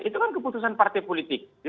itu kan keputusan partai politik